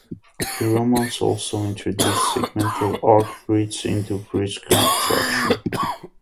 The Romans also introduced segmental arch bridges into bridge construction.